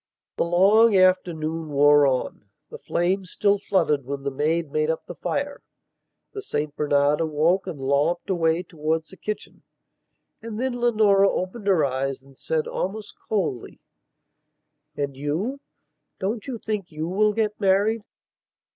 The long afternoon wore on; the flames still fluttered when the maid made up the fire; the St Bernard awoke and lolloped away towards the kitchen. And then Leonora opened her eyes and said almost coldly: "And you? Don't you think you will get married?"